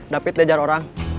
david diajar orang